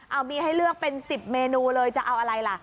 เอามีให้เลือกเป็น๑๐เมนูเลยจะเอาอะไรล่ะ